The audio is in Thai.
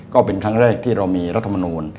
ก็เป็นครั้งแรกที่เรามีรัฐมนูล